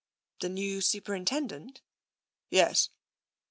" The new Superintendent ?"" Yes."